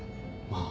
まあ。